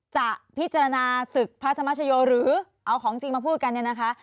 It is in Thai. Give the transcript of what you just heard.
จะพิจารณาศึกพระธรรมชโยหรือเอาของจริงมาพูดกันเนี่ยนะคะ